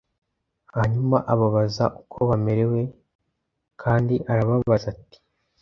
Hanyuma ababaza uko bamerewe g kandi arababaza ati